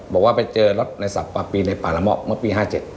บอกว่าไปเจอรถในสัตว์ป่าปีในป่าละเมาะเมื่อปี๕๗